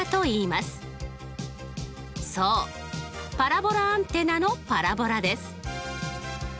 そうパラボラアンテナのパラボラです。